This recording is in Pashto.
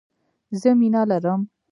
زه مينه لرم